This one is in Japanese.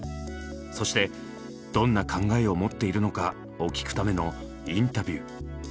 そしてどんな考えを持っているのかを聞くためのインタビュー。